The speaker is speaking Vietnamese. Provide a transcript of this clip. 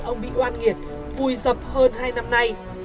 ông bị oan nghiệt vùi dập hơn hai năm nay